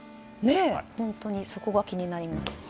本当にそこが気になります。